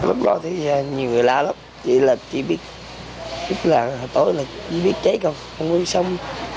lúc đó thì nhiều người la lóc chỉ biết là hồi tối là chỉ biết cháy không không biết xong